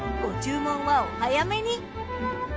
ご注文はお早めに。